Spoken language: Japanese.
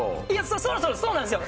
そろそろそうなんですよ。